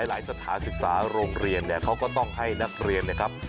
สถานศึกษาโรงเรียนเนี่ยเขาก็ต้องให้นักเรียนนะครับ